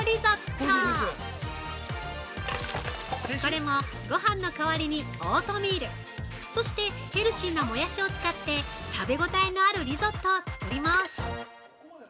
これもごはんの代わりにオートミール、そしてヘルシーなもやしを使って食べ応えのあるリゾットを作ります。